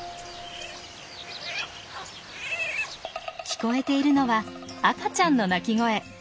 ・聞こえているのは赤ちゃんの鳴き声。